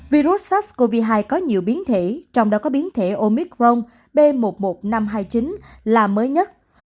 virus sars cov hai có nhiều biến thể trong đó có biến thể omicron b một mươi một nghìn năm trăm hai mươi chín là mới nhất